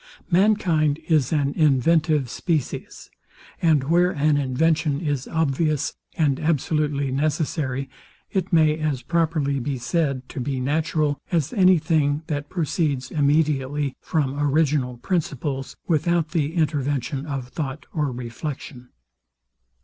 Mankind is an inventive species; and where an invention is obvious and absolutely necessary, it may as properly be said to be natural as any thing that proceeds immediately from original principles, without the intervention of thought or reflection.